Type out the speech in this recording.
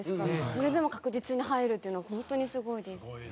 それでも確実に入るというのは本当にすごいです。